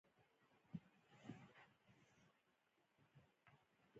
بادرنګ له هر عمره کسانو سره مناسب دی.